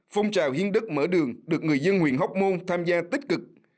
phong trào hiến đất mở đường được người dân huyện hóc môn tham gia tích cực